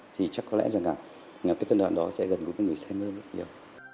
thì chắc có lẽ rằng là cái phần đoạn đó sẽ gần gũi với người xem mơ rất nhiều